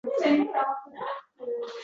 Yolg‘on gapirmaydigan odamni aldash oson.